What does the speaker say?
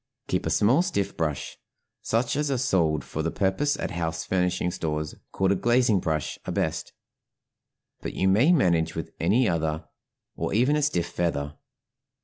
Keep a small stiff brush; such as are sold for the purpose at house furnishing stores, called a glazing brush, are best; but you may manage with any other or even a stiff feather.